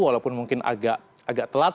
walaupun mungkin agak telat